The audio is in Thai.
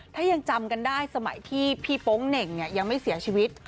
ถ้ายังจำกันได้สมัยที่พี่โป๊งเหน่งยังไม่เสียชีวิต